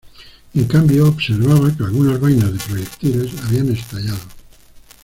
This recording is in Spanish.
En cambio, observaba que algunas vainas de proyectiles habían estallado.